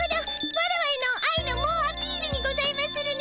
ワラワへのあいのもうアピールにございまするね。